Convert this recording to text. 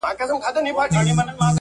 زه کله د خائيست د رنګينو لېونے نه وم